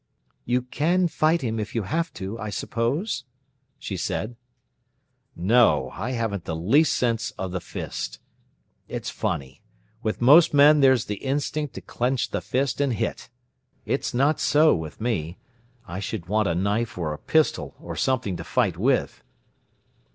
"You can fight him if you have to, I suppose?" she said. "No; I haven't the least sense of the 'fist'. It's funny. With most men there's the instinct to clench the fist and hit. It's not so with me. I should want a knife or a pistol or something to fight with."